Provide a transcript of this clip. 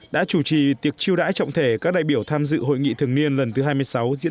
đã chủ trì tiệc chiêu đãi trọng thể các đại biểu tham dự hội nghị thường niên lần thứ hai mươi sáu diễn